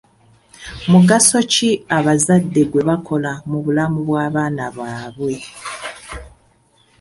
Mugaso ki abazadde gwe bakola mu bulamu bw'abaana baabwe?